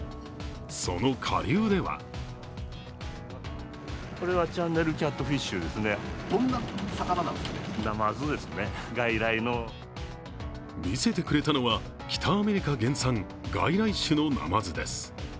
その下流では見せてくれたのは、北アメリカ原産、外来種のなまずです。